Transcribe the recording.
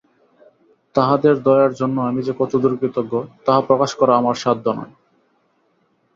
তাঁহাদের দয়ার জন্য আমি যে কতদূর কৃতজ্ঞ, তাহা প্রকাশ করা আমার সাধ্য নয়।